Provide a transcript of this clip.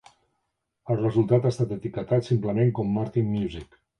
El resultat ha estat etiquetat simplement com Martin Music.